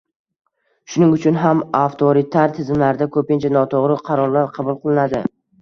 Shuning uchun ham avtoritar tizimlarda koʻpincha notoʻgʻri qarorlar qabul qilinadi